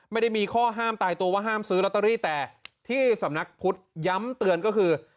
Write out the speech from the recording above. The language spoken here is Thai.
ไม่ได้มีข้อห้ามตายตัวว่าห้ามซื้อลอตเตอรี่แต่ที่สำนักพุทธย้ำเตือนก็คือ